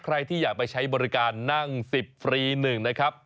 ใครที่อยากไปใช้บริการนั่ง๑๐ฟรี๑นะครับ